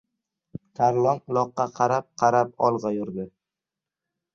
Tarlon uloqqa qarab-qarab olg‘a yurdi.